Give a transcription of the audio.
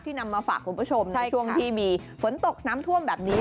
นำมาฝากคุณผู้ชมในช่วงที่มีฝนตกน้ำท่วมแบบนี้